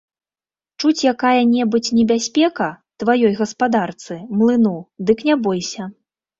Чуць якая-небудзь небяспека тваёй гаспадарцы, млыну, дык не бойся.